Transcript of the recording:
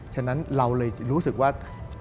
ฉะนั้นเราเลยรู้สึกว่า